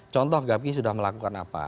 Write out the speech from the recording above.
contoh gapi sudah melakukan apa